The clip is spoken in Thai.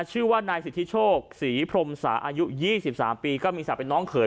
ชื่อว่านายสิทธิโชคสีพรมสาอายุยี่สิบสามปีก็มีสัตว์เป็นน้องเขย